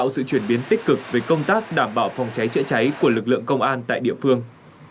sự chuyển biến tích cực về công tác đảm bảo phòng cháy chữa cháy của lực lượng công an tại địa phương